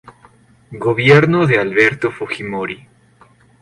Gobierno de Alberto Fujimori